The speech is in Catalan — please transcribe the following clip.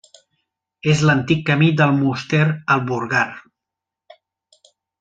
És l'antic camí d'Almoster al Burgar.